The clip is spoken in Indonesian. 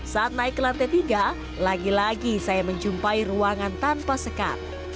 saat naik ke lantai tiga lagi lagi saya menjumpai ruangan tanpa sekat